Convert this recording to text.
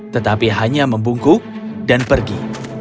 tetapi hanya membungkuk dan pergi